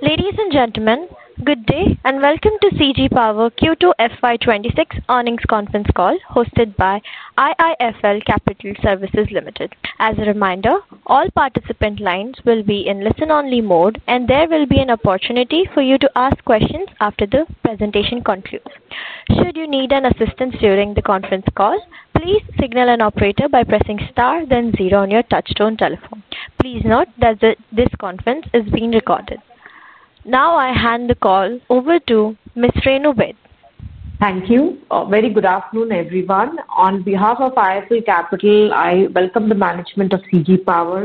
Ladies and gentlemen, good day and welcome to CG Power Q2 FY 2026 earnings conference call hosted by IIFL Capital Services Ltd. As a reminder, all participant lines will be in listen-only mode, and there will be an opportunity for you to ask questions after the presentation concludes. Should you need any assistance during the conference call, please signal an operator by pressing star, then zero on your touch-tone telephone. Please note that this conference is being recorded. Now I hand the call over to Ms. Renu Baid. Thank you. Very good afternoon, everyone. On behalf of IIFL Capital, I welcome the management of CG Power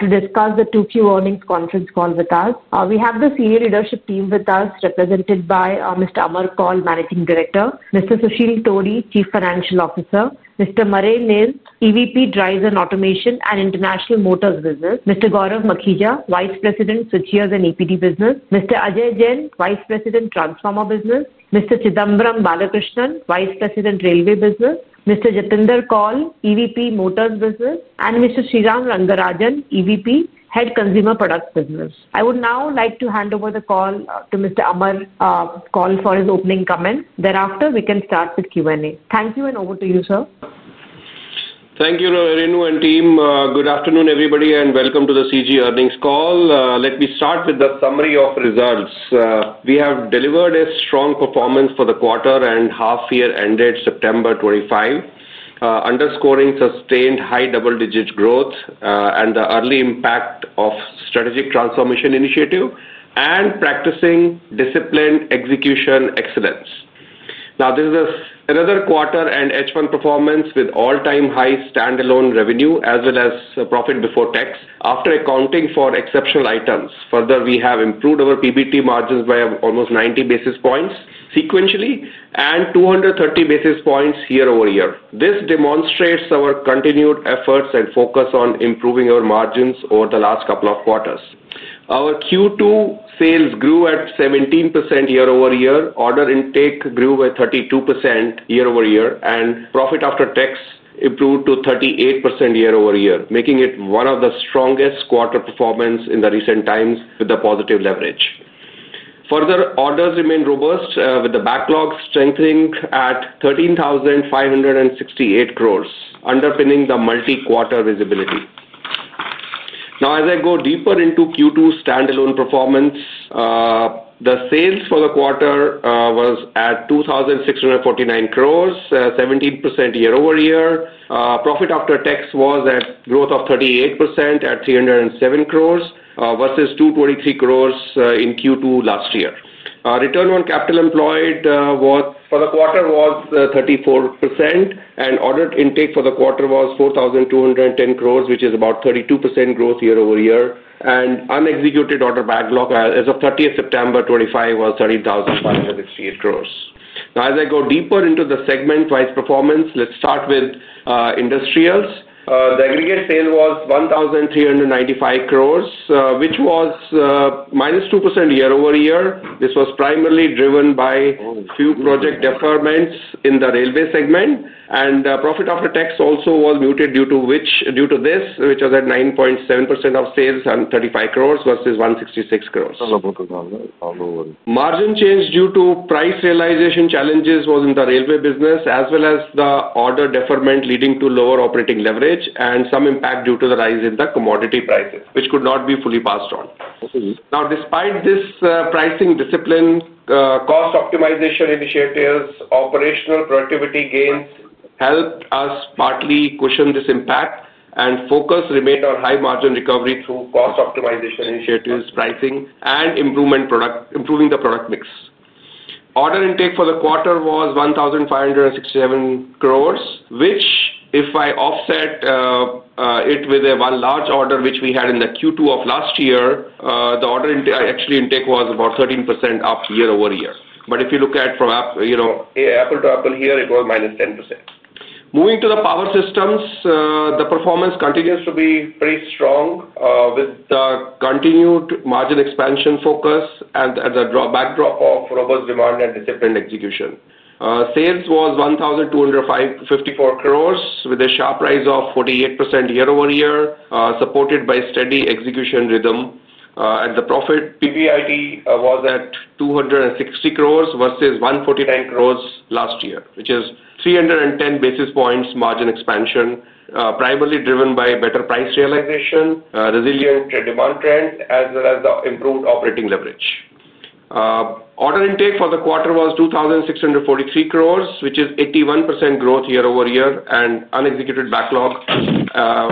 to discuss the Q2 earnings conference call with us. We have the senior leadership team with us, represented by Mr. Amar Kaul, Managing Director, Mr. Susheel Todi, Chief Financial Officer, Mr. Marais Nel, EVP, Drives and Automation and International Motors Business, Mr. Gaurav Makhija, Vice President, Switchgears and EPD Business, Mr. Ajay Jain, Vice President, Transformer Business, Mr. Chidambaram Balakrishnan, Vice President, Railway Business, Mr. Jatinder Kaul, EVP, Motors Business, and Mr. Sriram Rangarajan, EVP, Head Consumer Products Business. I would now like to hand over the call to Mr. Amar Kaul for his opening comments. Thereafter, we can start with Q&A. Thank you and over to you, sir. Thank you, Renu and team. Good afternoon, everybody, and welcome to the CG earnings call. Let me start with the summary of results. We have delivered a strong performance for the quarter and half year ended September 2025, underscoring sustained high double-digit growth and the early impact of strategic transformation initiative and practicing discipline execution excellence. This is another quarter-end H1 performance with all-time high standalone revenue as well as profit before tax, after accounting for exceptional items. Further, we have improved our PBT margins by almost 90 basis points sequentially and 230 basis points year over year. This demonstrates our continued efforts and focus on improving our margins over the last couple of quarters. Our Q2 sales grew at 17% year over year, order intake grew by 32% year over year, and profit after tax improved to 38% year over year, making it one of the strongest quarter performances in recent times with a positive leverage. Further, orders remain robust with the backlog strengthening at 13,568 crores, underpinning the multi-quarter visibility. As I go deeper into Q2 standalone performance, the sales for the quarter were at 2,649 crores, 17% year over year. Profit after tax was a growth of 38% at 307 crores versus 223 crores in Q2 last year. Return on capital employed for the quarter was 34%, and order intake for the quarter was 4,210 crores, which is about 32% growth year over year. Unexecuted order backlog as of 30 September 2025 was 13,568 crores. As I go deeper into the segment-wise performance, let's start with industrials. The aggregate sale was 1,395 crores, which was -2% year over year. This was primarily driven by few project deferments in the railway segment, and profit after tax also was muted due to this, which was at 9.7% of sales and 35 crores versus 166 crores. Margin change due to price realization challenges was in the railway business as well as the order deferment leading to lower operating leverage and some impact due to the rise in the commodity prices, which could not be fully passed on. Despite this, pricing discipline, cost optimization initiatives, operational productivity gains helped us partly cushion this impact, and focus remained on high margin recovery through cost optimization initiatives, pricing, and improving the product mix. Order intake for the quarter was 1,567 crores, which if I offset it with one large order which we had in Q2 of last year, the order actually intake was about 13% up year over year. If you look at from apple to apple here, it was minus 10%. Moving to the power systems, the performance continues to be pretty strong with the continued margin expansion focus and the backdrop of robust demand and disciplined execution. Sales was 1,254 crores with a sharp rise of 48% year over year, supported by steady execution rhythm. The profit PBIT was at 260 crores versus 149 crores last year, which is 310 basis points margin expansion, primarily driven by better price realization, resilient demand trends, as well as the improved operating leverage. Order intake for the quarter was 2,643 crores, which is 81% growth year over year, and unexecuted backlog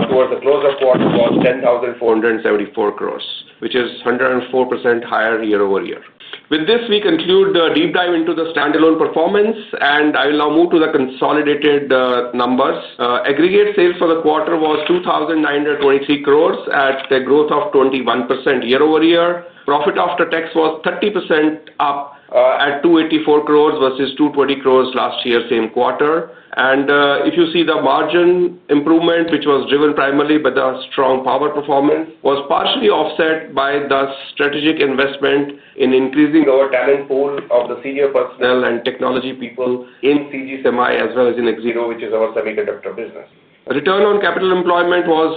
towards the close of quarter was 10,474 crores, which is 104% higher year over year. With this, we conclude the deep dive into the standalone performance, and I will now move to the consolidated numbers. Aggregate sales for the quarter was 2,923 crores at a growth of 21% year over year. Profit after tax was 30% up at 284 crores versus 220 crores last year, same quarter. If you see the margin improvement, which was driven primarily by the strong power performance, it was partially offset by the strategic investment in increasing our talent pool of the senior personnel and technology people in CG Semi as well as in Axiro, which is our semiconductor business. Return on capital employed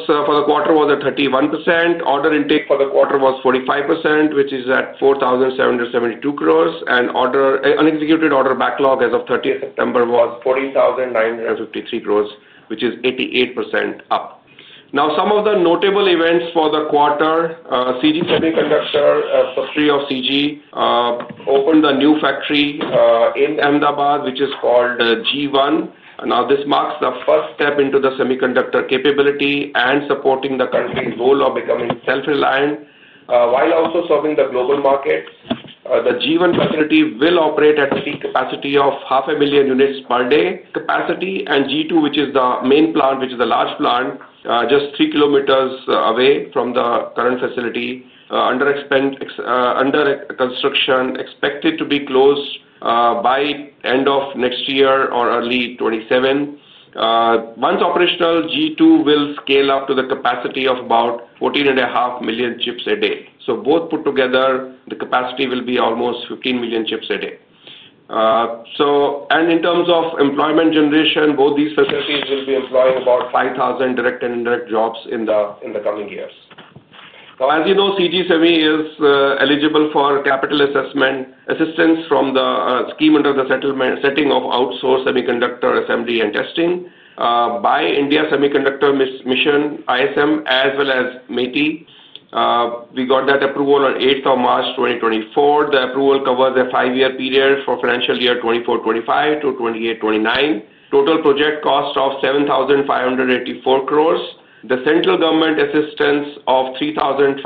for the quarter was at 31%. Order intake for the quarter was 45%, which is at 4,772 crores, and unexecuted order backlog as of 30 September was 14,953 crores, which is 88% up. Some of the notable events for the quarter, CG Semiconductor, a subsidiary of CG, opened a new factory in Ahmedabad, which is called G1. This marks the first step into the semiconductor capability and supporting the company's goal of becoming self-reliant while also serving the global markets. The G1 facility will operate at a peak capacity of half a million units per day. Capacity and G2, which is the main plant, which is a large plant just three kilometers away from the current facility, under construction, expected to be closed by the end of next year or early 2027. Once operational, G2 will scale up to the capacity of about 14.5 million chips a day. Both put together, the capacity will be almost 15 million chips a day. In terms of employment generation, both these facilities will be employing about 5,000 direct and indirect jobs in the coming years. As you know, CG Semi is eligible for capital assessment assistance from the scheme under the setting of outsourced semiconductor assembly and testing by India Semiconductor Mission, ISM, as well as MATI. We got that approval on March 8, 2024. The approval covers a five-year period for financial year 2024-2025 to 2028-2029. Total project cost of 7,584 crores. The central government assistance of 3,501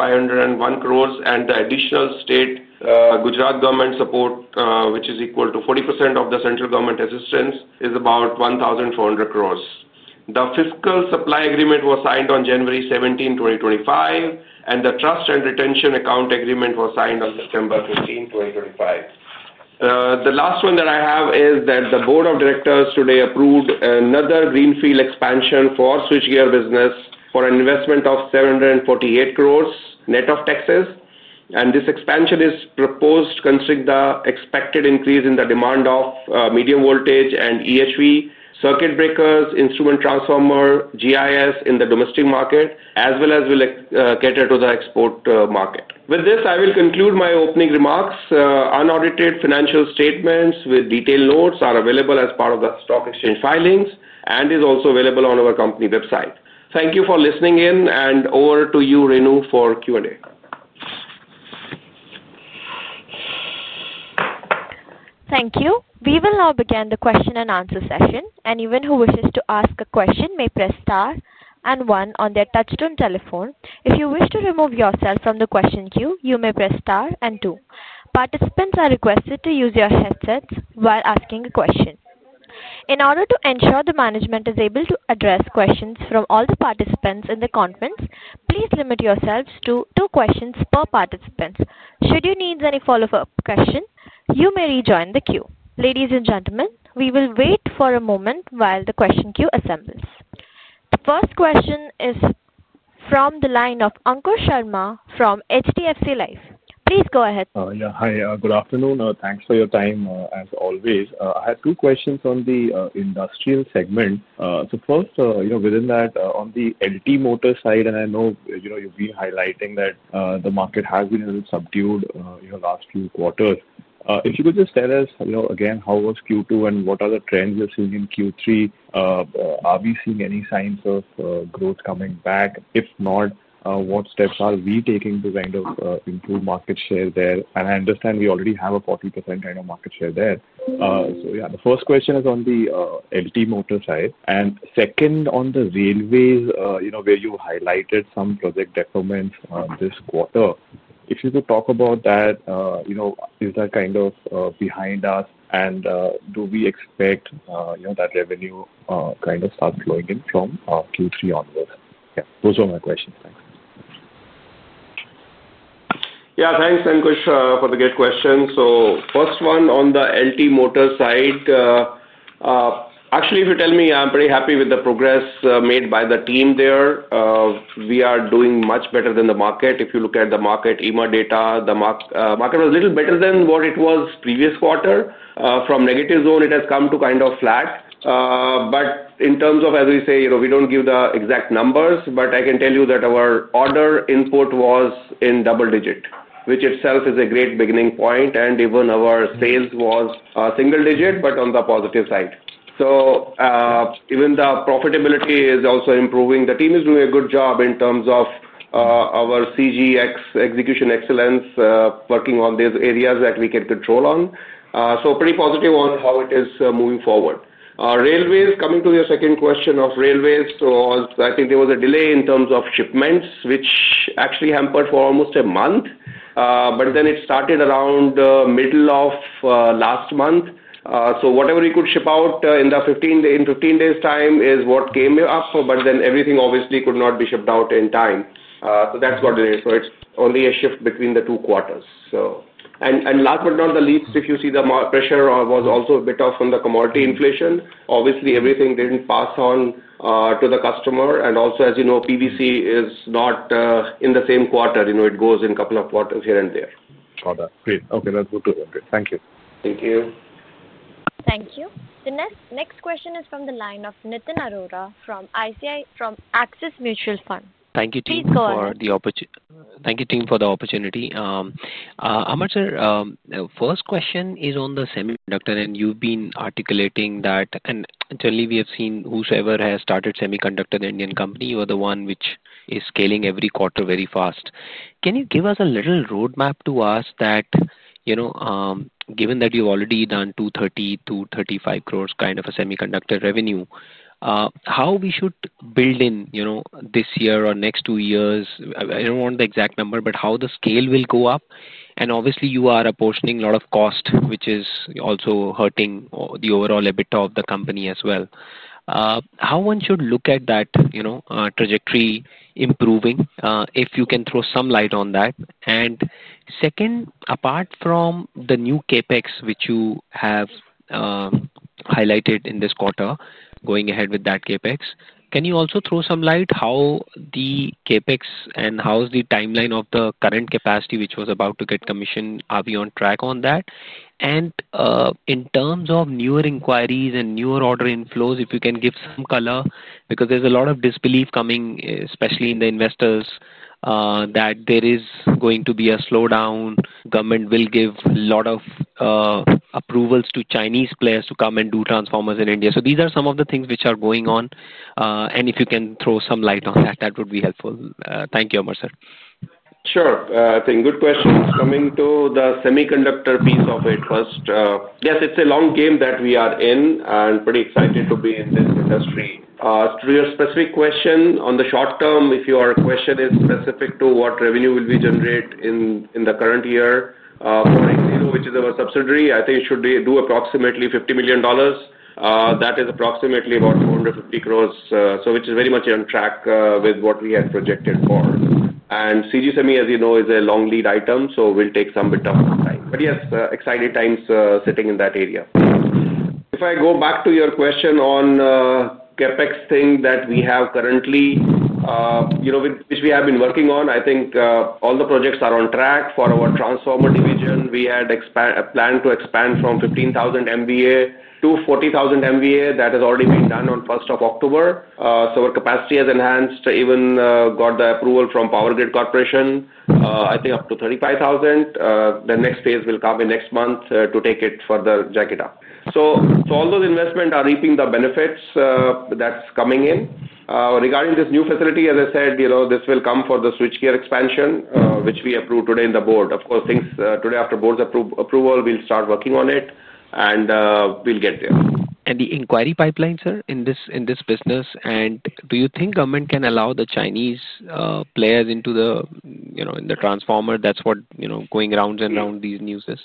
crores and the additional state Gujarat government support, which is equal to 40% of the central government assistance, is about 1,400 crores. The fiscal supply agreement was signed on January 17, 2025, and the trust and retention account agreement was signed on September 15, 2025. The last one that I have is that the board of directors today approved another greenfield expansion for switchgear business for an investment of 748 crores net of taxes. This expansion is proposed to constrict the expected increase in the demand of medium voltage and EHV circuit breakers, instrument transformer, GIS in the domestic market, as well as will cater to the export market. With this, I will conclude my opening remarks. Unaudited financial statements with detailed notes are available as part of the stock exchange filings and are also available on our company website. Thank you for listening in, and over to you, Renu, for Q&A. Thank you. We will now begin the question and answer session. Anyone who wishes to ask a question may press star and one on their touch-tone telephone. If you wish to remove yourself from the question queue, you may press star and two. Participants are requested to use their headsets while asking a question. In order to ensure the management is able to address questions from all the participants in the conference, please limit yourselves to two questions per participant. Should you need any follow-up question, you may rejoin the queue. Ladies and gentlemen, we will wait for a moment while the question queue assembles. The first question is from the line of Ankur Sharma from HDFC Life. Please go ahead. Yeah. Hi. Good afternoon. Thanks for your time, as always. I had two questions on the industrial segment. First, you know, within that, on the LT Motors side, and I know you've been highlighting that the market has been a little subdued in the last few quarters. If you could just tell us, you know, again, how was Q2 and what are the trends we're seeing in Q3? Are we seeing any signs of growth coming back? If not, what steps are we taking to kind of improve market share there? I understand we already have a 40% kind of market share there. The first question is on the LT Motors side. Second, on the railways, you know, where you highlighted some project deferments this quarter, if you could talk about that, you know, is that kind of behind us? Do we expect, you know, that revenue kind of start flowing in from Q3 onwards? Yeah, those are my questions. Thanks. Yeah, thanks, Ankur, for the great question. First one on the LT Motors side. Actually, if you tell me, I'm pretty happy with the progress made by the team there. We are doing much better than the market. If you look at the market, EMA data, the market was a little better than what it was previous quarter. From negative zone, it has come to kind of flat. In terms of, as we say, you know, we don't give the exact numbers, but I can tell you that our order input was in double digit, which itself is a great beginning point. Even our sales was single digit, but on the positive side. Even the profitability is also improving. The team is doing a good job in terms of our CGX execution excellence, working on these areas that we can control on. Pretty positive on how it is moving forward. Coming to your second question of railways, I think there was a delay in terms of shipments, which actually hampered for almost a month. It started around the middle of last month. Whatever we could ship out in the 15 days' time is what came up. Everything obviously could not be shipped out in time. That's what it is. It's only a shift between the two quarters. Last but not the least, if you see the pressure was also a bit off from the commodity inflation. Obviously, everything didn't pass on to the customer. Also, as you know, PVC is not in the same quarter. You know, it goes in a couple of quarters here and there. Got it. Great. Okay, let's move to it. Thank you. Thank you. Thank you. The next question is from the line of Nitin Arora from Axis Mutual Fund. Thank you, team. Please go ahead. Thank you, team, for the opportunity. Amar, sir, first question is on the semiconductor. You've been articulating that, and certainly, we have seen whosoever has started a semiconductor, the Indian company, you are the one which is scaling every quarter very fast. Can you give us a little roadmap to us that, you know, given that you've already done 230, 235 crores kind of a semiconductor revenue, how we should build in, you know, this year or next two years? I don't want the exact number, but how the scale will go up. Obviously, you are apportioning a lot of cost, which is also hurting the overall EBITDA of the company as well. How one should look at that, you know, trajectory improving, if you can throw some light on that? Second, apart from the new CapEx, which you have highlighted in this quarter, going ahead with that CapEx, can you also throw some light on how the CapEx and how's the timeline of the current capacity, which was about to get commissioned? Are we on track on that? In terms of newer inquiries and newer order inflows, if you can give some color, because there's a lot of disbelief coming, especially in the investors, that there is going to be a slowdown. Government will give a lot of approvals to Chinese players to come and do transformers in India. These are some of the things which are going on. If you can throw some light on that, that would be helpful. Thank you, Amar, sir. Sure. I think good questions. Coming to the semiconductor piece of it first, yes, it's a long game that we are in. I'm pretty excited to be in this industry. To your specific question on the short term, if your question is specific to what revenue will we generate in the current year, from Axiro, which is our subsidiary, I think it should do approximately $50 million. That is approximately about 450 crores, which is very much on track with what we had projected for. CG Semi, as you know, is a long lead item, so it will take some bit of time. Yes, exciting times sitting in that area. If I go back to your question on the CapEx thing that we have currently, which we have been working on, I think all the projects are on track for our transformer division. We had a plan to expand from 15,000 MVA to 40,000 MVA. That has already been done on 1st of October. Our capacity has enhanced. Even got the approval from Power Grid Corporation, I think up to 35,000. The next phase will come in next month to take it further jacket up. All those investments are reaping the benefits that's coming in. Regarding this new facility, as I said, this will come for the switchgear expansion, which we approved today in the board. Of course, things today after board's approval, we'll start working on it, and we'll get there. The inquiry pipeline, sir, in this business, do you think government can allow the Chinese players into the, you know, in the transformer? That's what, you know, going round and round these news is.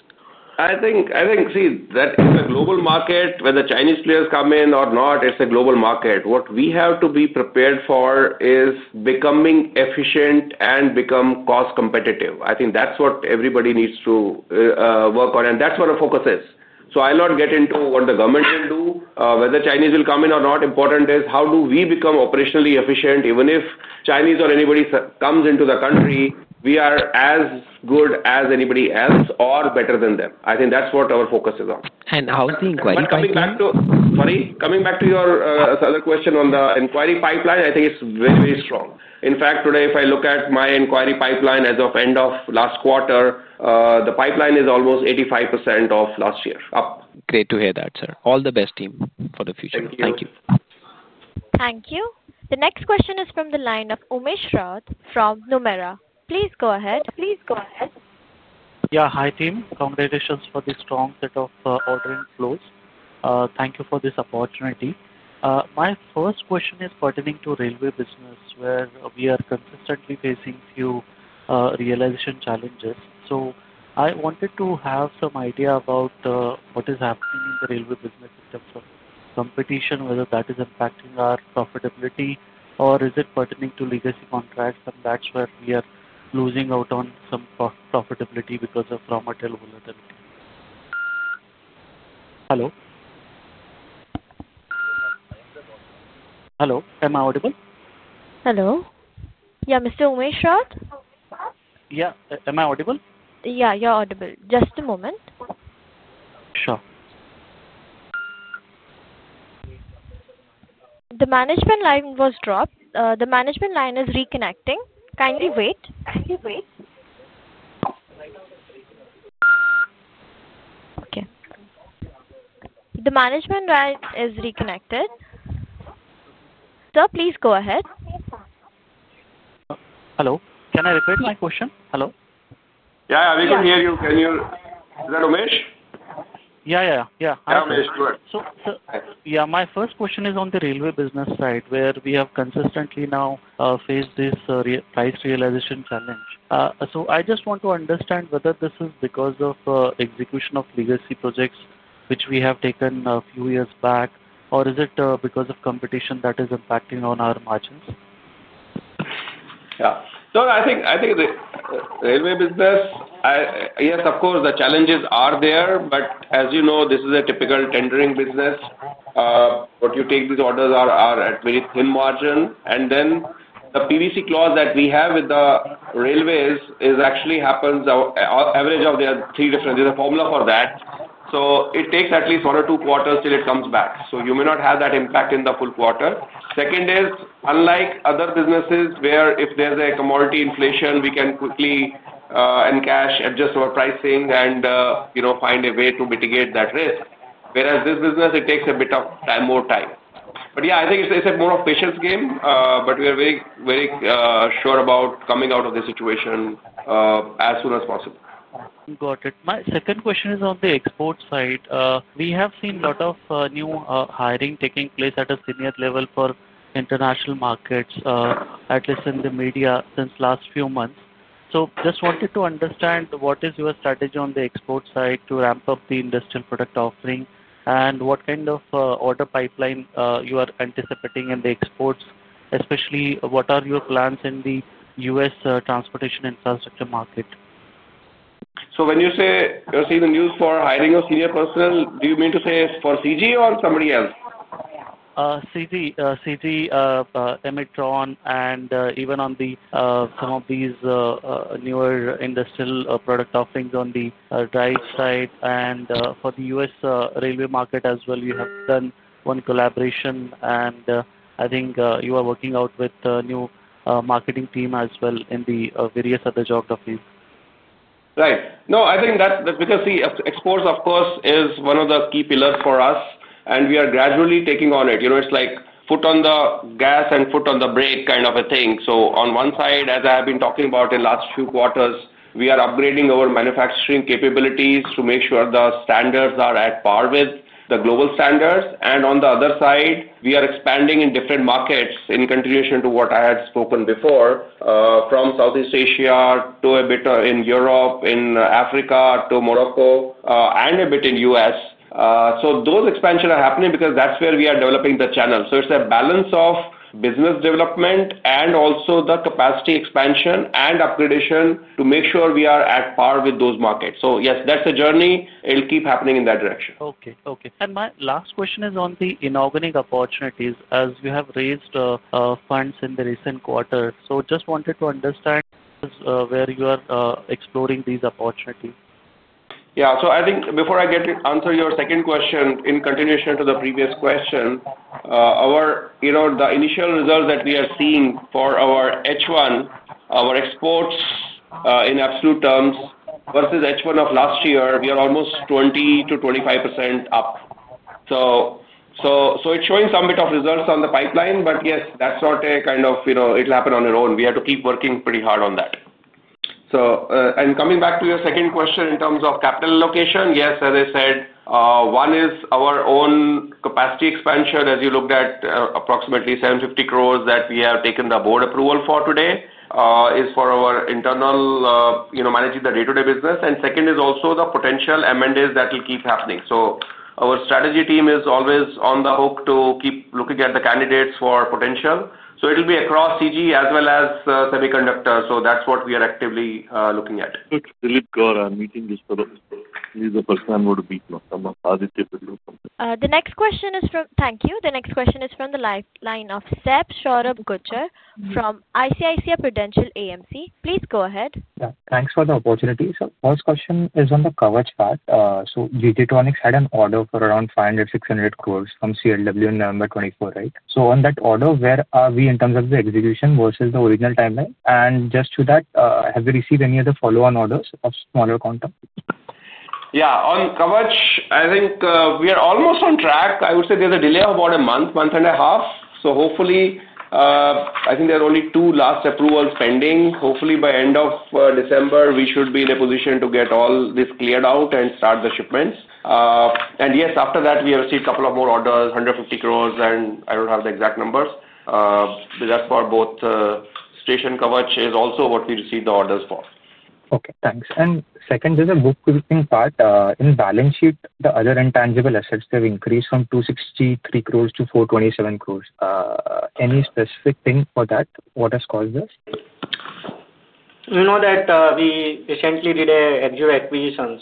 I think it's a global market. Whether Chinese players come in or not, it's a global market. What we have to be prepared for is becoming efficient and become cost-competitive. I think that's what everybody needs to work on, and that's what our focus is. I'll not get into what the government will do. Whether Chinese will come in or not, important is how do we become operationally efficient? Even if Chinese or anybody comes into the country, we are as good as anybody else or better than them. I think that's what our focus is on. How is the inquiry pipeline? Sorry. Coming back to your other question on the inquiry pipeline, I think it's very, very strong. In fact, today, if I look at my inquiry pipeline as of end of last quarter, the pipeline is almost 85% of last year up. Great to hear that, sir. All the best, team, for the future. Thank you. Thank you. The next question is from the line of Umesh Raut from Nomura. Please go ahead. Yeah. Hi, team. Congratulations for the strong set of ordering flows. Thank you for this opportunity. My first question is pertaining to railway business, where we are consistently facing few realization challenges. I wanted to have some idea about what is happening in the railway business in terms of competition, whether that is impacting our profitability, or is it pertaining to legacy contracts? That's where we are losing out on some profitability because of raw material volatility. Hello? Hello. Am I audible? Hello? Yeah, Mr. Umesh Raut? Yeah, am I audible? Yeah, you're audible. Just a moment. Sure. The management line was dropped. The management line is reconnecting. Kindly wait. Okay, the management line is reconnected. Sir, please go ahead. Hello. Can I repeat my question? Hello? Yeah, yeah, we can hear you. Can you? Is that Umesh? Yeah, I'm here. Yeah, Umesh. Go ahead. My first question is on the railway business side, where we have consistently now faced this price realization challenge. I just want to understand whether this is because of execution of legacy projects, which we have taken a few years back, or is it because of competition that is impacting on our margins? Yeah. I think the railway business, yes, of course, the challenges are there. As you know, this is a typical tendering business. What you take, these orders are at very thin margins. The PVC clause that we have with the railways actually happens on average of the three different. There's a formula for that. It takes at least one or two quarters till it comes back. You may not have that impact in the full quarter. Second is, unlike other businesses where if there's a commodity inflation, we can quickly and cash adjust our pricing and, you know, find a way to mitigate that risk. Whereas this business, it takes a bit of more time. I think it's more of a patience game, but we are very, very sure about coming out of this situation as soon as possible. Got it. My second question is on the export side. We have seen a lot of new hiring taking place at a senior level for international markets, at least in the media, since the last few months. I just wanted to understand what is your strategy on the export side to ramp up the industrial product offering and what kind of order pipeline you are anticipating in the exports, especially what are your plans in the U.S. transportation infrastructure market? When you say you're seeing the news for hiring of senior personnel, do you mean to say it's for CG or somebody else? CG, Emerson, and even on some of these newer industrial product offerings on the drives side. For the U.S. railway market as well, we have done one collaboration, and I think you are working out with a new marketing team as well in the various other geographies. Right. No, I think that because the exports, of course, is one of the key pillars for us, and we are gradually taking on it. You know, it's like foot on the gas and foot on the brake kind of a thing. On one side, as I have been talking about in the last few quarters, we are upgrading our manufacturing capabilities to make sure the standards are at par with the global standards. On the other side, we are expanding in different markets in continuation to what I had spoken before, from Southeast Asia to a bit in Europe, in Africa, to Morocco, and a bit in the U.S. Those expansions are happening because that's where we are developing the channel. It's a balance of business development and also the capacity expansion and upgradation to make sure we are at par with those markets. Yes, that's a journey. It'll keep happening in that direction. Okay. Okay. My last question is on the inorganic opportunities, as you have raised funds in the recent quarter. I just wanted to understand where you are exploring these opportunities. Yeah. I think before I answer your second question, in continuation to the previous question, the initial results that we are seeing for our H1, our exports in absolute terms versus H1 of last year, we are almost 20%-25% up. It's showing some bit of results on the pipeline, but yes, that's not a kind of, you know, it'll happen on its own. We have to keep working pretty hard on that. Coming back to your second question in terms of capital allocation, yes, as I said, one is our own capacity expansion, as you looked at approximately 750 crores that we have taken the board approval for today, is for our internal, you know, managing the day-to-day business. The second is also the potential M&As that will keep happening. Our strategy team is always on the hook to keep looking at the candidates for potential. It'll be across CG as well as semiconductor. That's what we are actively looking at. Philip Gora meeting this quarter. He's the person I'm going to meet next. Thank you. The next question is from the line of Saif Sohrab Gujar from ICICI Prudential AMC. Please go ahead. Yeah. Thanks for the opportunity. First question is on the coverage part. G.G. Tronics had an order for around 500 crores-600 crores from CLW on November 24, right? On that order, where are we in terms of the execution versus the original timeline? Just to that, have we received any other follow-on orders of smaller quantum? Yeah. On coverage, I think we are almost on track. I would say there's a delay of about a month, month and a half. Hopefully, I think there are only two last approvals pending. Hopefully, by the end of December, we should be in a position to get all this cleared out and start the shipments. Yes, after that, we have received a couple of more orders, 150 crores, and I don't have the exact numbers. That's for both the station coverage is also what we received the orders for. Okay. Thanks. Second, there's a bookkeeping part. In the balance sheet, the other intangible assets have increased from 263 crores to 427 crores. Any specific thing for that? What has caused this? We recently did an NGO acquisition.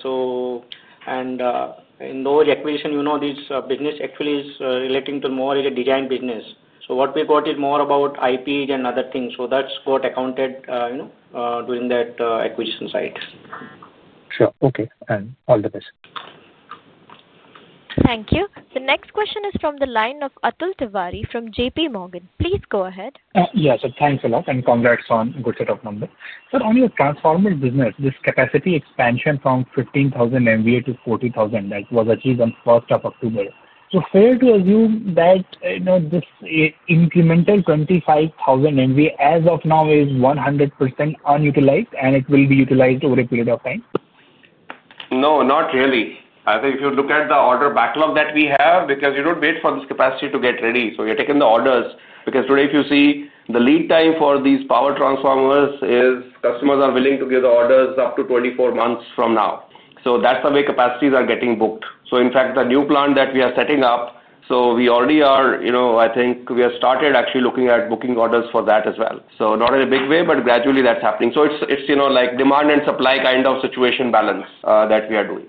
In those acquisitions, this business actually is relating to more in the design business. What we got is more about IP and other things. That's got accounted during that acquisition site. Sure. Okay, and all the best. Thank you. The next question is from the line of Atul Tiwari from JPMorgan. Please go ahead. Yeah, thanks a lot, and congrats on a good set of numbers. On your transformer business, this capacity expansion from 15,000 MVA to 40,000 MVA that was achieved on 1st of October, is it fair to assume that this incremental 25,000 MVA as of now is 100% unutilized, and it will be utilized over a period of time? No, not really. I think if you look at the order backlog that we have, you don't wait for this capacity to get ready. You're taking the orders because today, if you see the lead time for these power transformers, customers are willing to give the orders up to 24 months from now. That's the way capacities are getting booked. In fact, the new plant that we are setting up, we have started actually looking at booking orders for that as well. Not in a big way, but gradually that's happening. It's a demand and supply kind of situation balance that we are doing.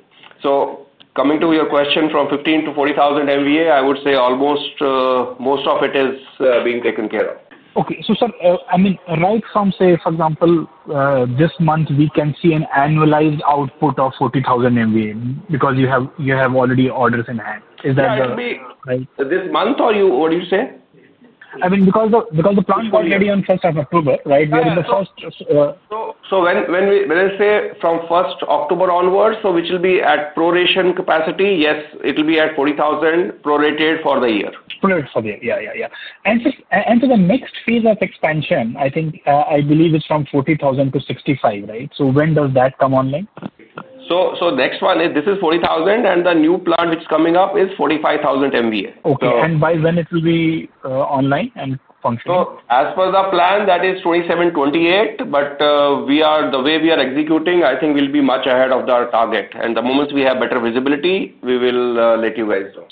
Coming to your question from 15,000 MVA to 40,000 MVA, I would say almost most of it is being taken care of. Okay. Sir, I mean, right from, say, for example, this month, we can see an annualized output of 40,000 MVA because you have already orders in hand. Is that the? That will be this month, or what did you say? I mean, because the plant is already on 1st of October, right? We are in the 1st. When I say from 1st October onwards, it will be at proration capacity. Yes, it will be at 40,000 MVA prorated for the year. Prorated for the year. Yeah, yeah, yeah. For the next phase of expansion, I think I believe it's from 40,000 MVA to 65,000 MVA, right? When does that come online? This is 40,000 MVA, and the new plant which is coming up is 45,000 MVA. Okay. By when will it be online and functioning? As per the plan, that is 2027, 2028, but the way we are executing, I think we'll be much ahead of the target. The moment we have better visibility, we will let you guys know.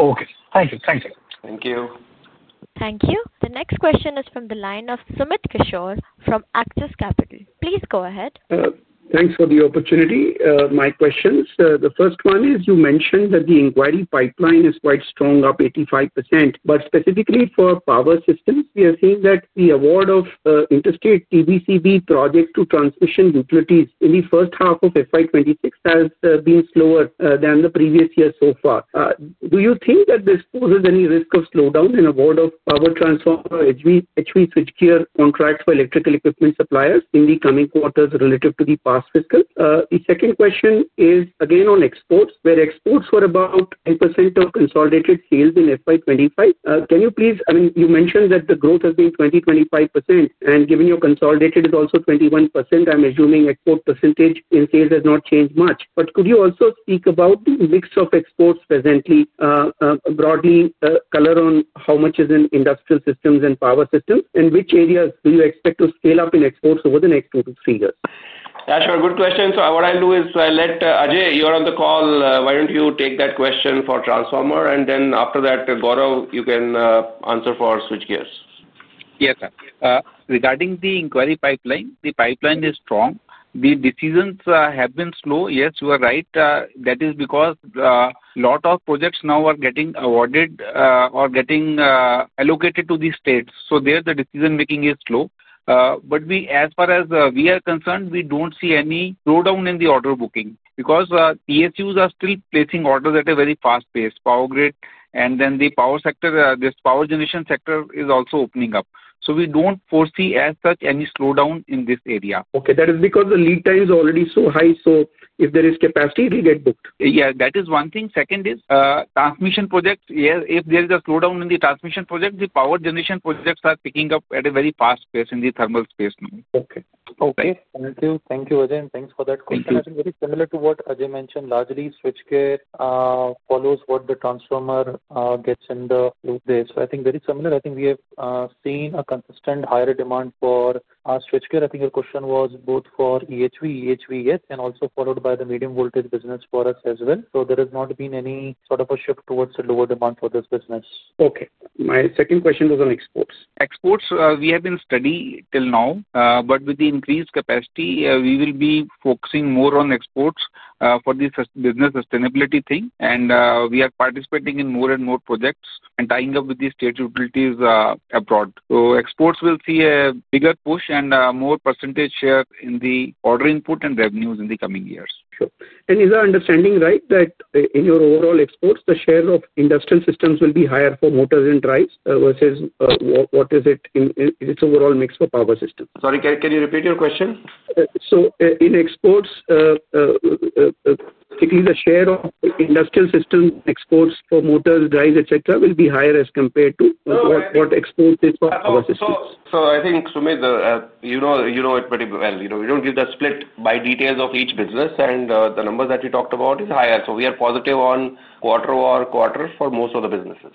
Okay, thank you. Thank you. Thank you. Thank you. The next question is from the line of Sumit Kishore from Axis Capital. Please go ahead. Thanks for the opportunity. My questions, the first one is you mentioned that the inquiry pipeline is quite strong, up 85%. Specifically for power systems, we are seeing that the award of interstate PVC project to transmission utilities in the first half of FY 2026 has been slower than the previous year so far. Do you think that this poses any risk of slowdown in award of power transformer, HV switchgear contracts for electrical equipment suppliers in the coming quarters relative to the past fiscal? The second question is again on exports, where exports were about 8% of consolidated sales in FY 2025. You mentioned that the growth has been 20%, 25%. Given your consolidated is also 21%, I'm assuming export percentage in sales has not changed much. Could you also speak about the mix of exports presently, broadly color on how much is in industrial systems and power systems, and which areas do you expect to scale up in exports over the next two to three years? Yeah, sure. Good question. What I'll do is let Ajay, you're on the call. Why don't you take that question for transformer? After that, Gaurav, you can answer for switchgears. Yes, sir. Regarding the inquiry pipeline, the pipeline is strong. The decisions have been slow. Yes, you are right. That is because a lot of projects now are getting awarded or getting allocated to these states. There, the decision-making is slow. As far as we are concerned, we don't see any slowdown in the order booking because PSUs are still placing orders at a very fast pace. Power Grid and then the power sector, this power generation sector is also opening up. We don't foresee as such any slowdown in this area. Okay, that is because the lead time is already so high. If there is capacity, it will get booked. Yeah, that is one thing. Second is transmission projects. Yes, if there is a slowdown in the transmission projects, the power generation projects are picking up at a very fast pace in the thermal space now. Okay. Thank you. Thank you, Ajay. Thank you for that question. I think very similar to what Ajay mentioned, largely switchgears follow what the transformer gets in the loop there. I think very similar. I think we have seen a consistent higher demand for switchgears. I think your question was both for EHV, EHV, and also followed by the medium voltage business for us as well. There has not been any sort of a shift towards a lower demand for this business. Okay. My second question was on exports. Exports, we have been studying till now, but with the increased capacity, we will be focusing more on exports for this business sustainability thing. We are participating in more and more projects and tying up with the state utilities abroad. Exports will see a bigger push and a more % share in the order input and revenues in the coming years. Is our understanding right that in your overall exports, the share of industrial systems will be higher for motors and drives versus what is it in its overall mix for power systems? Sorry, can you repeat your question? In exports, typically, the share of industrial systems exports for motors, drives, etc., will be higher as compared to what exports is for power systems. I think, Sumit, you know it pretty well. You know, we don't give the split by details of each business, and the numbers that you talked about are higher. We are positive on quarter over quarter for most of the businesses.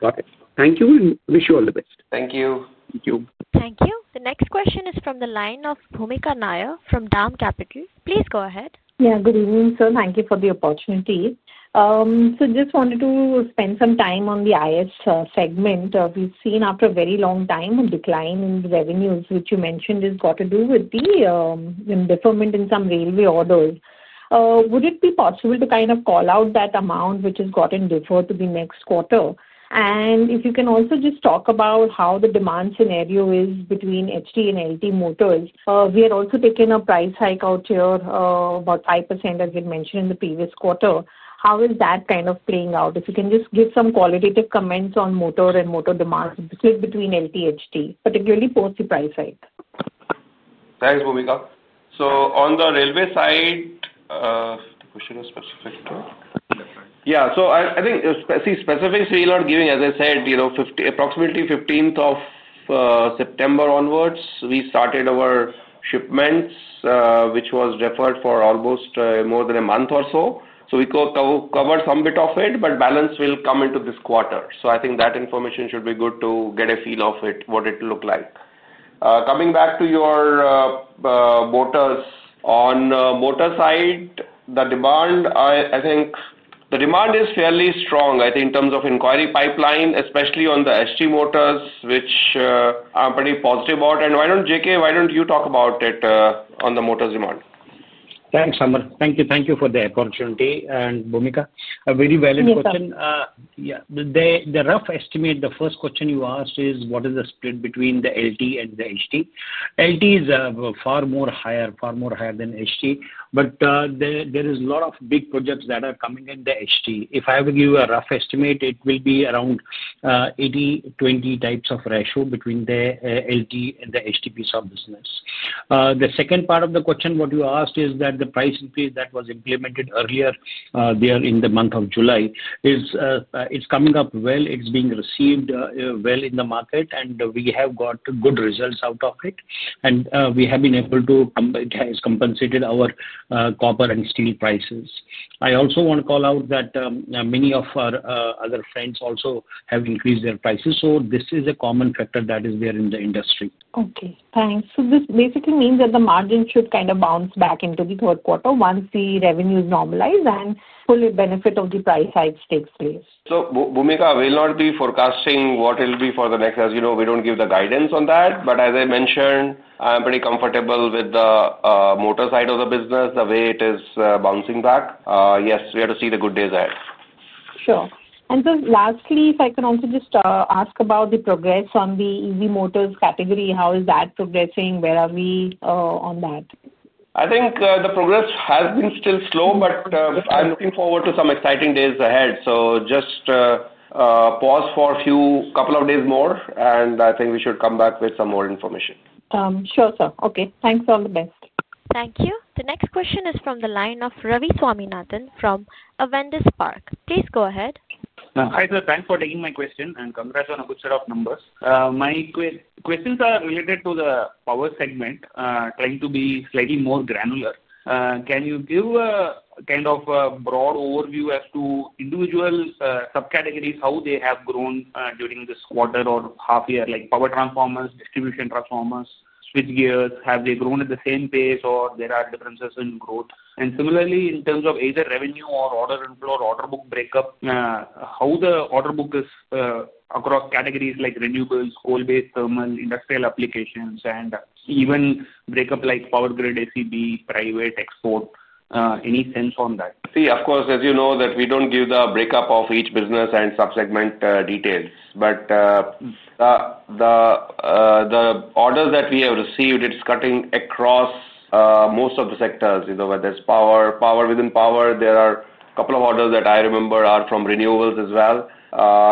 Got it. Thank you, and wish you all the best. Thank you. Thank you. Thank you. The next question is from the line of Bhoomika Nair from DAM Capital. Please go ahead. Yeah. Good evening, sir. Thank you for the opportunity. Just wanted to spend some time on the IS segment. We've seen after a very long time a decline in revenues, which you mentioned has got to do with the deferment in some railway orders. Would it be possible to kind of call out that amount which has gotten deferred to the next quarter? If you can also just talk about how the demand scenario is between HT and LT motors. We are also taking a price hike out here, about 5% as you mentioned in the previous quarter. How is that kind of playing out? If you can just give some qualitative comments on motor and motor demand split between LT and HT, particularly post the price hike. Thanks, Bhoomika. On the railway side, the question is specific to, yeah. I think specifics we are not giving. As I said, you know, approximately 15th of September onwards, we started our shipments, which was deferred for almost more than a month or so. We covered some bit of it, but balance will come into this quarter. I think that information should be good to get a feel of it, what it looked like. Coming back to your motors, on the motor side, the demand, I think the demand is fairly strong. I think in terms of inquiry pipeline, especially on the HT motors, which I'm pretty positive about. JK, why don't you talk about it on the motors demand? Thanks, Amar. Thank you. Thank you for the opportunity. Bhoomika, a very valid question. The rough estimate, the first question you asked is what is the split between the LT and the HT. LT is far more higher, far more higher than HT. There are a lot of big projects that are coming in the HT. If I have to give you a rough estimate, it will be around 80/20 types of ratio between the LT and the HT piece of business. The second part of the question, what you asked, is that the price increase that was implemented earlier there in the month of July is coming up well. It's being received well in the market, and we have got good results out of it. We have been able to, it has compensated our copper and steel prices. I also want to call out that many of our other friends also have increased their prices. This is a common factor that is there in the industry. Okay. Thanks. This basically means that the margin should kind of bounce back into the third quarter once the revenues normalize and the full benefit of the price hikes takes place. I will not be forecasting what it will be for the next, as you know, we don't give the guidance on that. As I mentioned, I'm pretty comfortable with the motor side of the business, the way it is bouncing back. Yes, we have to see the good days ahead. Sure. Lastly, if I could also just ask about the progress on the EV motors category, how is that progressing? Where are we on that? I think the progress has been still slow, but I'm looking forward to some exciting days ahead. Just pause for a few, a couple of days more, and I think we should come back with some more information. Sure, sir. Okay, thanks for all the best. Thank you. The next question is from the line of Ravi Swaminathan from Avendus Spark. Please go ahead. Hi, sir. Thanks for taking my question and congrats on a good set of numbers. My questions are related to the power segment, trying to be slightly more granular. Can you give a kind of a broad overview as to individual subcategories, how they have grown during this quarter or half year? Like power transformers, distribution transformers, switchgears, have they grown at the same pace, or are there differences in growth? Similarly, in terms of either revenue or order and order book breakup, how the order book is across categories like renewables, coal-based thermal, industrial applications, and even breakup like power grid, ACB, private export, any sense on that? See, of course, as you know, that we don't give the breakup of each business and subsegment details. The orders that we have received, it's cutting across most of the sectors, you know, whether it's power, power within power. There are a couple of orders that I remember are from renewables as well.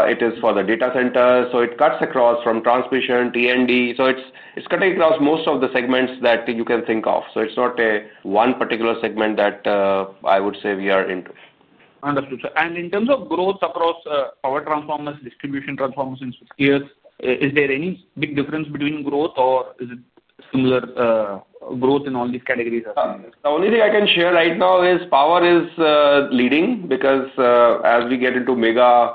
It is for the data center. It cuts across from transmission, T&D. It's cutting across most of the segments that you can think of. It's not a one particular segment that I would say we are into. Understood, sir. In terms of growth across power transformers, distribution transformers, and switchgears, is there any big difference between growth, or is it similar growth in all these categories? The only thing I can share right now is power is leading because as we get into mega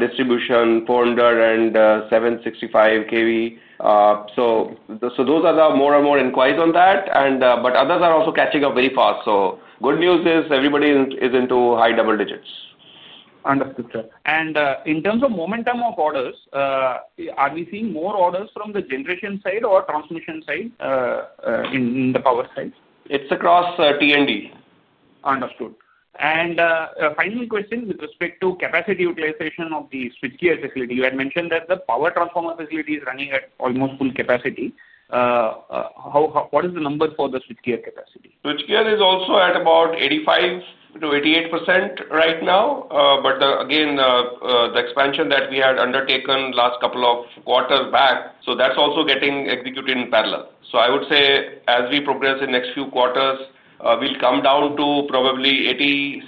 distribution, 400 and 765 kV. Those are the more and more inquiries on that. Others are also catching up very fast. Good news is everybody is into high double digits. Understood, sir. In terms of momentum of orders, are we seeing more orders from the generation side or transmission side in the power side? It's across T&D. Understood. Final question with respect to capacity utilization of the switchgear facility. You had mentioned that the power transformer facility is running at almost full capacity. What is the number for the switchgear capacity? Switchgears is also at about 85%-88% right now. The expansion that we had undertaken last couple of quarters back is also getting executed in parallel. I would say as we progress in the next few quarters, we'll come down to probably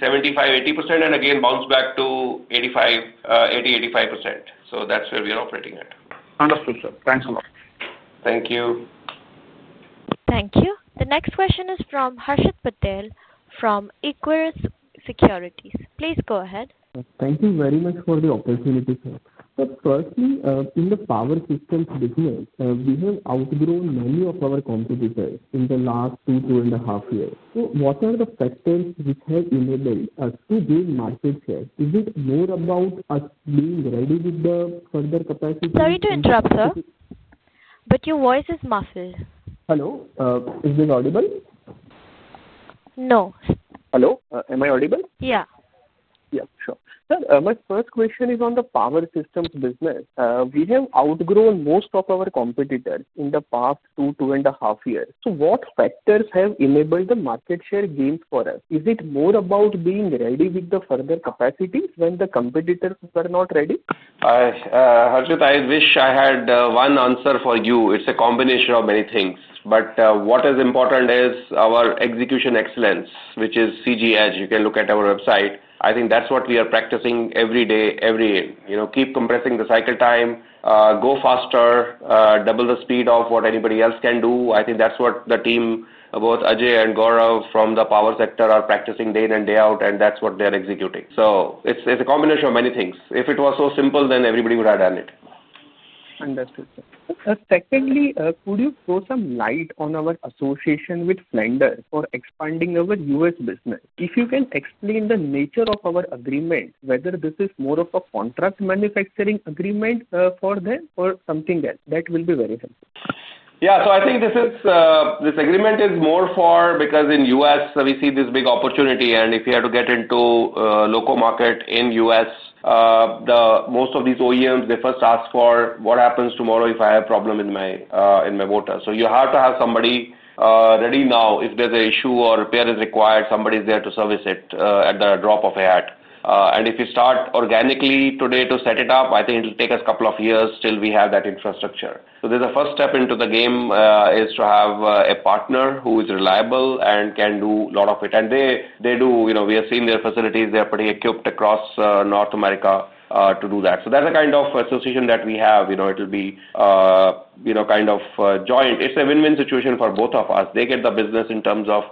75%-80% and again bounce back to 80%-85%. That's where we are operating at. Understood, sir. Thanks a lot. Thank you. Thank you. The next question is from Harshit Patel from Equirus Securities. Please go ahead. Thank you very much for the opportunity, sir. In the power systems business, we have outgrown many of our competitors in the last two, two and a half years. What are the factors which have enabled us to gain market share? Is it more about us being ready with the further capacity? Sorry to interrupt, sir, but your voice is muffled. Hello, is it audible? No. Hello, am I audible? Yeah. Yeah, sure. My first question is on the power systems business. We have outgrown most of our competitors in the past two, two and a half years. What factors have enabled the market share gains for us? Is it more about being ready with the further capacities when the competitors were not ready? Harshit, I wish I had one answer for you. It's a combination of many things. What is important is our execution excellence, which is CG Edge. You can look at our website. I think that's what we are practicing every day, every in. Keep compressing the cycle time, go faster, double the speed of what anybody else can do. I think that's what the team, both Ajay and Gaurav from the power sector, are practicing day in and day out, and that's what they are executing. It's a combination of many things. If it was so simple, then everybody would have done it. Understood, sir. Secondly, could you throw some light on our association with Flender for expanding our U.S. business? If you can explain the nature of our agreement, whether this is more of a contract manufacturing agreement for them or something else, that will be very helpful. Yeah. I think this agreement is more for because in the U.S., we see this big opportunity. If you had to get into the local market in the U.S., most of these OEMs, they first ask for what happens tomorrow if I have a problem in my motor. You have to have somebody ready now. If there's an issue or repair is required, somebody is there to service it at the drop of a hat. If you start organically today to set it up, I think it'll take us a couple of years till we have that infrastructure. The first step into the game is to have a partner who is reliable and can do a lot of it. They do, you know, we have seen their facilities. They are pretty equipped across North America to do that. That's the kind of association that we have. It'll be kind of joint. It's a win-win situation for both of us. They get the business in terms of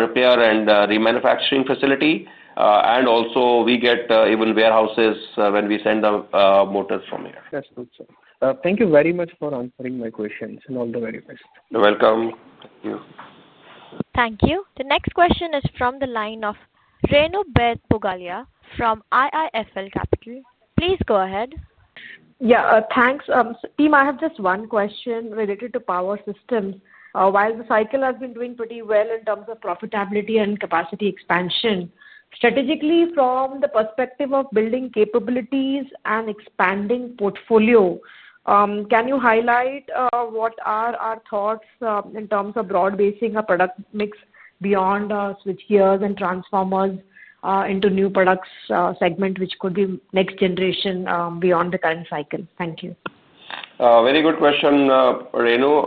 repair and remanufacturing facility, and also, we get even warehouses when we send the motors from here. That's good, sir. Thank you very much for answering my questions. All the very best. You're welcome. Thank you. Thank you. The next question is from the line of Renu Baid Pugalia from IIFL Capital. Please go ahead. Yeah. Thanks. Team, I have just one question related to power systems. While the cycle has been doing pretty well in terms of profitability and capacity expansion, strategically, from the perspective of building capabilities and expanding portfolio, can you highlight what are our thoughts in terms of broad basing a product mix beyond switchgears and transformers into new products segment, which could be next generation beyond the current cycle? Thank you. Very good question, Renu.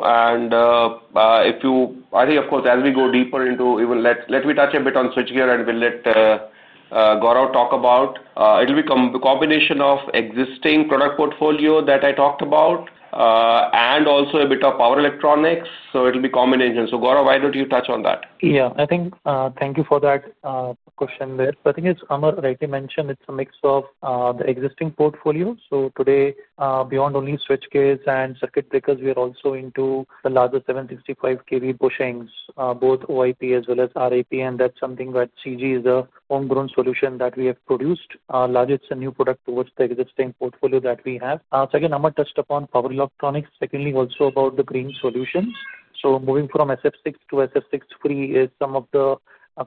If you, I think, of course, as we go deeper into even, let me touch a bit on switchgears and we'll let Gaurav talk about it. It'll be a combination of existing product portfolio that I talked about and also a bit of power electronics. It'll be a combination. Gaurav, why don't you touch on that? Yeah. I think thank you for that question there. I think it's Amar, right? He mentioned it's a mix of the existing portfolio. Today, beyond only switchgears and circuit breakers, we are also into the larger 765 kV bushings, both OIP as well as RIP. That's something that CG is the homegrown solution that we have produced. Largest new product towards the existing portfolio that we have. Amar touched upon power electronics. Secondly, also about the green solutions. Moving from SF6 to SF6 free is some of the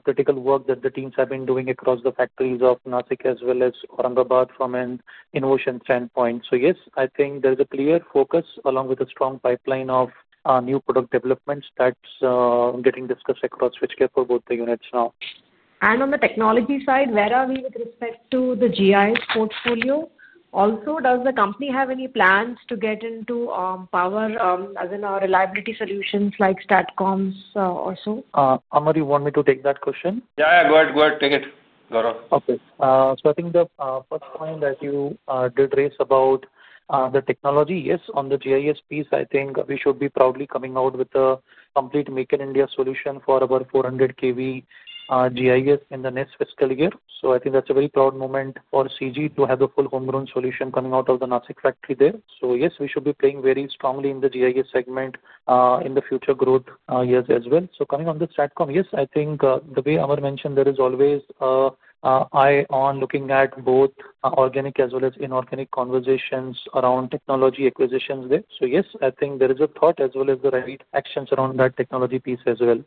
critical work that the teams have been doing across the factories of Nashik as well as Aurangabad from an innovation standpoint. Yes, I think there's a clear focus along with a strong pipeline of new product developments that's getting discussed across switchgear for both the units now. Where are we with respect to the GIS portfolio on the technology side? Also, does the company have any plans to get into power, as in our reliability solutions like STATCOM or so? Amar, you want me to take that question? Yeah. Go ahead. Take it, Gaurav. Okay. I think the first point that you did raise about the technology, yes, on the GIS piece, we should be proudly coming out with a complete make-in-India solution for about 400 kV GIS in the next fiscal year. I think that's a very proud moment for CG to have a full homegrown solution coming out of the Nasik factory there. Yes, we should be playing very strongly in the GIS segment in the future growth years as well. Coming on the STATCOM, I think the way Amar mentioned, there is always an eye on looking at both organic as well as inorganic conversations around technology acquisitions there. Yes, there is a thought as well as the right actions around that technology piece as well.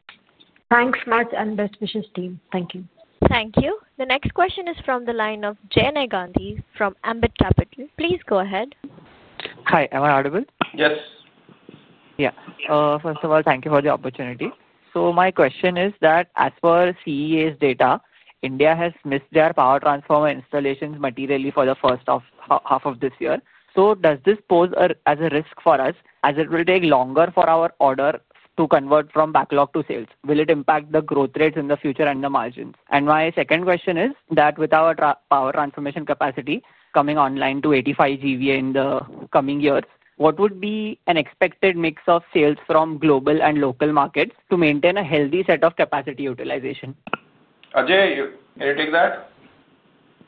Thanks, Makh, and best wishes, team. Thank you. Thank you. The next question is from the line of Jinesh Gandhi from Ambit Capital. Please go ahead. Hi. Am I audible? Yes. Yeah. First of all, thank you for the opportunity. My question is that as per CEA's data, India has missed their power transformer installations materially for the first half of this year. Does this pose as a risk for us as it will take longer for our order to convert from backlog to sales? Will it impact the growth rates in the future and the margins? My second question is that with our power transformation capacity coming online to 85 GVA in the coming years, what would be an expected mix of sales from global and local markets to maintain a healthy set of capacity utilization? Ajay, can you take that?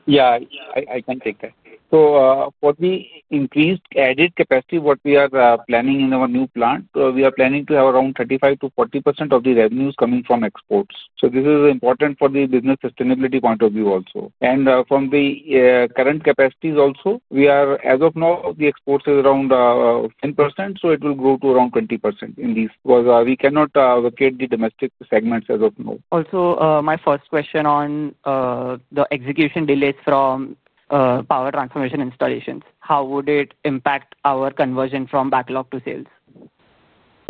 Yeah, I can take that. For the increased added capacity, what we are planning in our new plant, we are planning to have around 35%-40% of the revenues coming from exports. This is important for the business sustainability point of view also. From the current capacities also, as of now, the exports are around 10%. It will grow to around 20% in these because we cannot locate the domestic segments as of now. Also, my first question on the execution delays from power transformer installations, how would it impact our conversion from backlog to sales?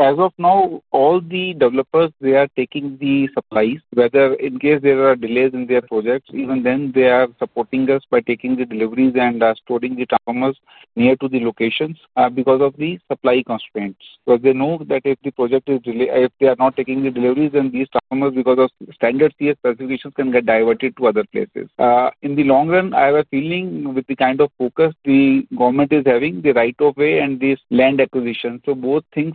As of now, all the developers, they are taking the supplies. Whether in case there are delays in their projects, even then they are supporting us by taking the deliveries and storing the transformers near to the locations because of the supply constraints. They know that if the project is delayed, if they are not taking the deliveries, then these transformers because of standard CS specifications can get diverted to other places. In the long run, I have a feeling with the kind of focus the government is having, the right of way and this land acquisition. Both things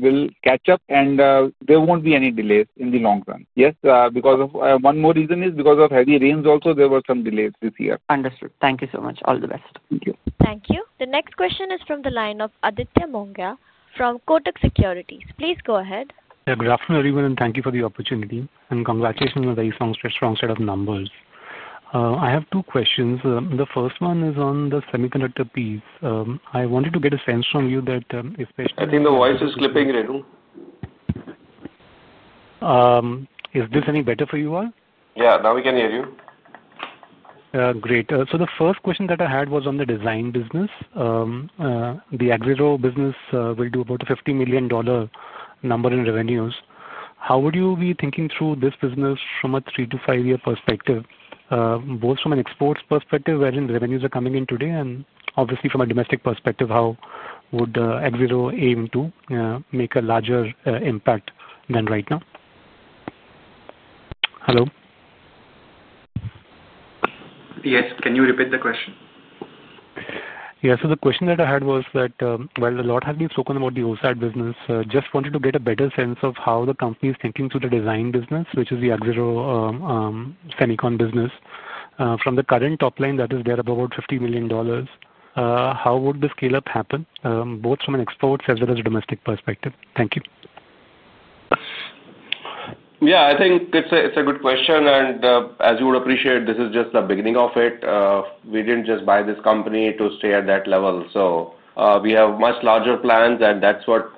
will catch up and there won't be any delays in the long run. Yes, because of one more reason is because of heavy rains also, there were some delays this year. Understood. Thank you so much. All the best. Thank you. Thank you. The next question is from the line of Aditya Mongia from Kotak Securities. Please go ahead. Good afternoon, everyone, and thank you for the opportunity. Congratulations on a very strong set of numbers. I have two questions. The first one is on the semiconductor piece. I wanted to get a sense from you, especially. I think the voice is slipping, Renu. Is this any better for you all? Yeah, now we can hear you. Great. The first question that I had was on the design business. The Axiro business will do about $50 million in revenues. How would you be thinking through this business from a three to five-year perspective, both from an exports perspective wherein revenues are coming in today, and obviously from a domestic perspective, how would Axiro aim to make a larger impact than right now? Hello? Yes. Can you repeat the question? Yeah. The question that I had was that while a lot has been spoken about the OSAT business, I just wanted to get a better sense of how the company is thinking through the design business, which is the CG Semiconductor business. From the current top line that is there of about $50 million, how would the scale-up happen both from an exports as well as a domestic perspective? Thank you. Yeah, I think it's a good question. As you would appreciate, this is just the beginning of it. We didn't just buy this company to stay at that level. We have much larger plans. That's what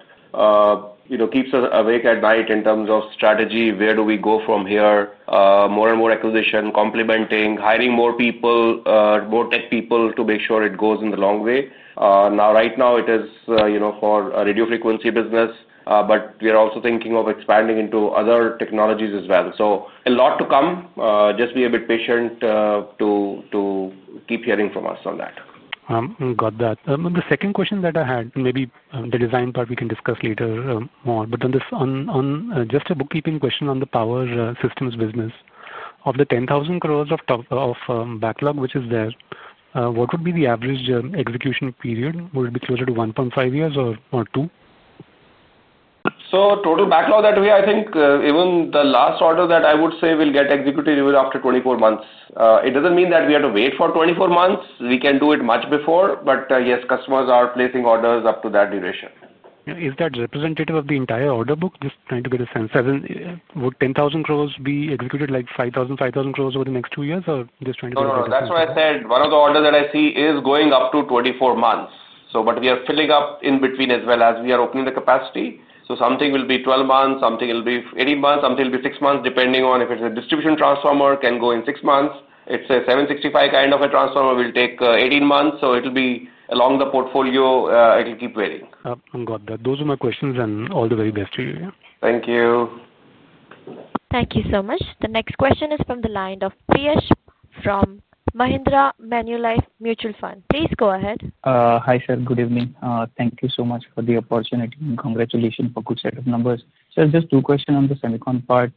keeps us awake at night in terms of strategy. Where do we go from here? More and more acquisition, complementing, hiring more people, more tech people to make sure it goes in the long way. Right now, it is for a radio frequency business, but we are also thinking of expanding into other technologies as well. A lot to come. Just be a bit patient to keep hearing from us on that. Got that. The second question that I had, maybe the design part we can discuss later more. On this, just a bookkeeping question on the power systems business. Of the 10,000 crores backlog which is there, what would be the average execution period? Would it be closer to 1.5 years or two? Total backlog that we, I think, even the last order that I would say will get executed after 24 months. It doesn't mean that we have to wait for 24 months. We can do it much before. Yes, customers are placing orders up to that duration. Is that representative of the entire order book? Just trying to get a sense. Would 10,000 crores be executed like 5,000, 5,000 crores over the next two years or just trying to get a better sense? That's what I said. One of the orders that I see is going up to 24 months. We are filling up in between as well as we are opening the capacity. Something will be 12 months, something will be 18 months, something will be 6 months, depending on if it's a distribution transformer, can go in 6 months. If it's a 765 kind of a transformer, will take 18 months. It'll be along the portfolio, it'll keep varying. I'm glad that those are my questions, and all the very best to you. Thank you. Thank you so much. The next question is from the line of Priyesh from Mahindra Manulife Mutual Fund. Please go ahead. Hi, sir. Good evening. Thank you so much for the opportunity and congratulations for a good set of numbers. Sir, just two questions on the semicon part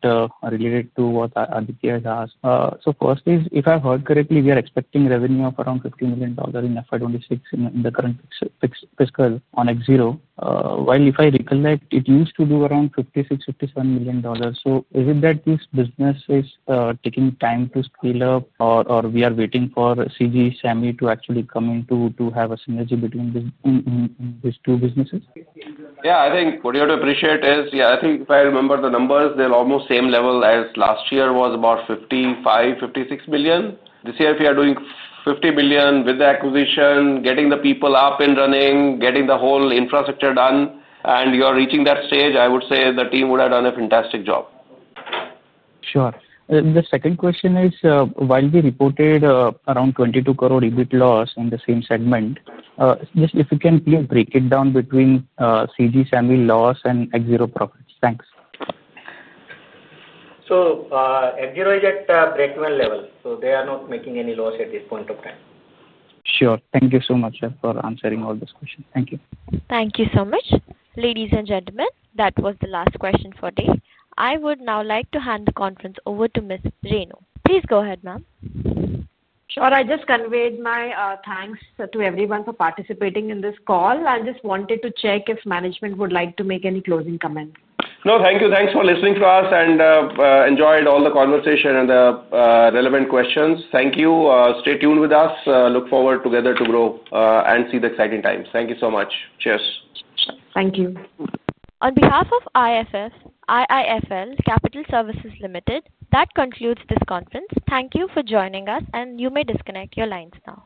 related to what Aditya has asked. First, if I've heard correctly, we are expecting revenue of around $50 million in FY 2026 in the current fixed fiscal on Axiro. While if I recollect, it used to do around $56 million, $57 million. Is it that these businesses are taking time to scale up or we are waiting for CG Semi to actually come in to have a synergy between these two businesses? I think what you have to appreciate is, I think if I remember the numbers, they're almost same level as last year, was about $55 million, $56 million. This year, if we are doing $50 million with the acquisition, getting the people up and running, getting the whole infrastructure done, and you are reaching that stage, I would say the team would have done a fantastic job. Sure. The second question is, while we reported around 22 crores EBIT loss in the same segment, just if you can, please break it down between CG Semi loss and Axiro profits. Thanks. Axiro is at a break-even level. They are not making any loss at this point of time. Sure. Thank you so much, sir, for answering all those questions. Thank you. Thank you so much. Ladies and gentlemen, that was the last question for today. I would now like to hand the conference over to Ms. Renu. Please go ahead, ma'am. Sure. I just conveyed my thanks to everyone for participating in this call. I just wanted to check if management would like to make any closing comments. No, thank you. Thanks for listening to us and enjoyed all the conversation and the relevant questions. Thank you. Stay tuned with us. Look forward together to grow and see the exciting times. Thank you so much. Cheers. Thank you. On behalf of IIFL Capital Services Ltd., that concludes this conference. Thank you for joining us, and you may disconnect your lines now.